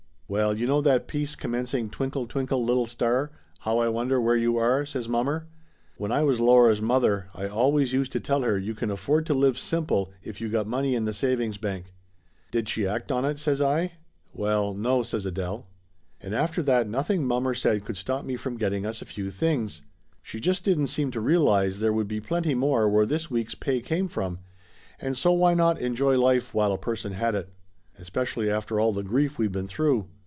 "Well, you know that piece commencing Twinkle, twinkle little star, how I wonder where you are/ " says mommer. "When I was Laura's mother I always used to tell her you can afford to live simple if you got money in the savings bank." "Did she act on it?" says I. "Well, no," says Adele. And after that nothing mommer said could stop me from getting us a few things. She just didn't seem to realize there would be plenty more where this week's pay came from, and so why not enjoy life while a per son had it? Especially after all the grief we'd been through.